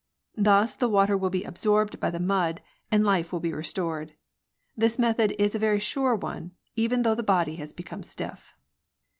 Thus the water will be absorbed by the mud, and life will be restored. This method is a very sure one, even though the body has become stiff.